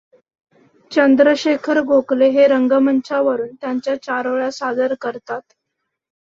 चंद्रशेखर गोखले हे रंगमंचावरून त्यांच्या चारोळ्या सादर करतात.